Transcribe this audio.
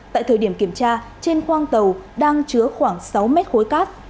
tại thời điểm kiểm tra trên khoang tàu đang chứa khoảng sáu mét khối cát